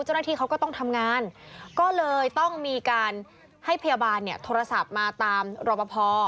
เจ้าหน้าที่เขาก็ต้องทำงานก็เลยต้องมีการให้พยาบาลเนี่ยโทรศัพท์มาตามรอปภ